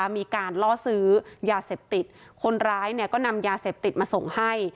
มีการล่อซื้อยาเสพติดคนร้ายเนี่ยก็นำยาเสพติดมาส่งให้